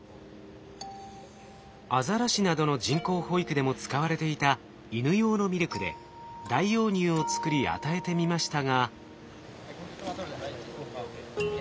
アザラシなどの人工哺育でも使われていたイヌ用のミルクで代用乳を作り与えてみましたが。